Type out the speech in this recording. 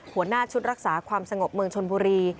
หัวหน้าชุดรักษาความสงบเมืองชนบุรี